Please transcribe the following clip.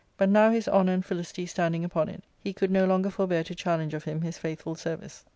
But now his honour and felicity standing upon it, he could no longer forbear to challenge of him his faithful service.